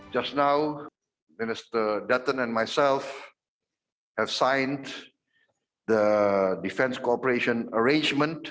tadi menteri dutton dan saya telah menandatangani pembaruan dari defense cooperation arrangement